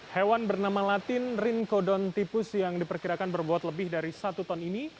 hewan bernama latin rinkodontipus yang diperkirakan berbuat lebih dari satu ton ini